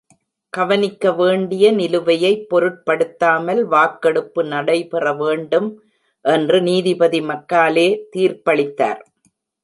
கவனிக்க வேண்டிய நிலுவையைப் பொருட்படுத்தாமல் வாக்கெடுப்பு நடைபெற வேண்டும் என்று நீதிபதி மக்காலே தீர்ப்பளித்தார்.